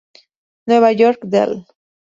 Nueva York: Dell.